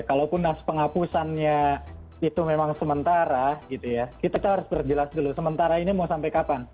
kalau pun penghapusannya itu memang sementara gitu ya kita harus berjelas dulu sementara ini mau sampai kapan gitu kan